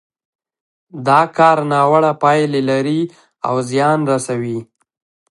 دا کار ناوړه پايلې لري او زيان رسوي.